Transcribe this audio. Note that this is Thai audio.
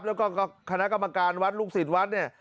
แล้วก็คณะกรรมการวัดลูกศิษย์วัดเนี่ย